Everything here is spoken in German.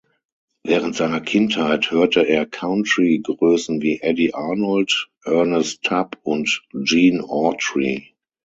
Während seiner Kindheit hörte er Country-Größen wie Eddy Arnold, Ernest Tubb und Gene Autry.